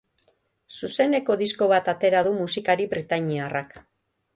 Zuzeneko disko bat atera du musikari britainiarrak.